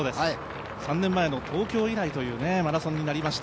３年前の東京以来というマラソンになりました。